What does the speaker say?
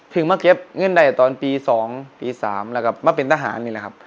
ถึงมาเก็บเงื่อนไว้ตอน๒๓ปีและเป็นทหาร